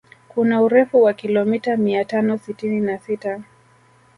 Kuna urefu wa kilomita mia tano sitini na sita